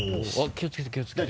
気をつけて気をつけて。